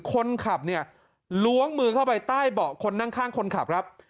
คนขับเนี่ยล้วงมือเข้าไปใต้เบาะคนนั่งข้างคนขับครับ